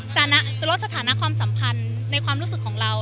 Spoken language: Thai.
จะลดสถานะความสัมพันธ์ในความรู้สึกของเรา